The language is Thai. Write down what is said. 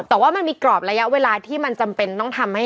แต่ว่ามันมีกรอบระยะเวลาที่มันจำเป็นต้องทำให้